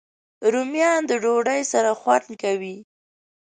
رومیان د ډوډۍ سره خوند کوي